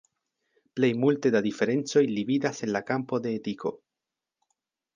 Plej multe da diferencoj li vidas en la kampo de etiko.